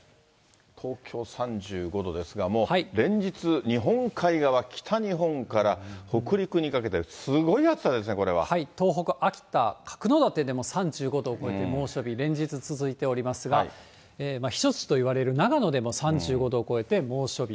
東京３５度ですが、もう連日、日本海側、北日本から北陸にかけて、東北、秋田・角館でも３５度を超えて猛暑日、連日続いておりますが、避暑地といわれる長野でも３５度を超えて猛暑日。